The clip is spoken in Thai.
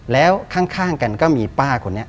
แล้วข้างกันก็มีป้าคนนี้